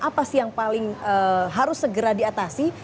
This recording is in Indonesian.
apa sih yang paling harus segera diatasi